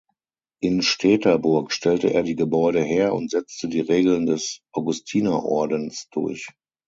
In Steterburg stellte er die Gebäude her und setzte die Regeln des Augustinerordens durch.